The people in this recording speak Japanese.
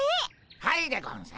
はいでゴンス。